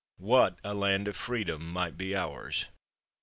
What a land of freedom might be ours!